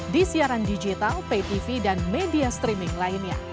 di siaran digital pay tv dan media streaming lainnya